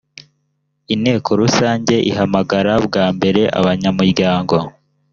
inteko rusange ihamagara bwa mbere abanyamuryango